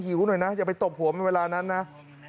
หวหน่อยนะอย่าไปตบหัวในเวลานั้นนะ